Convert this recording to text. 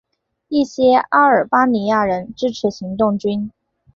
一些阿尔巴尼亚人支持行动军。